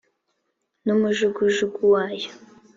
n' umujugujugu wayo.